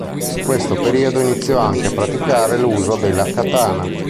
In questo periodo iniziò anche a praticare l'uso della katana.